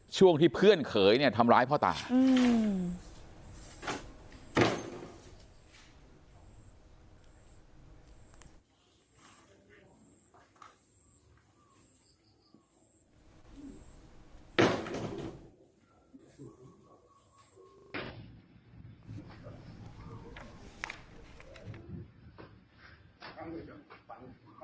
ช่วงที่เพื่อนเขยเนี่ยทำร้ายพ่อตาอืม